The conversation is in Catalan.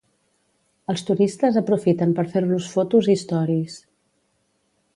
Els turistes aprofiten per fer-los fotos i storis.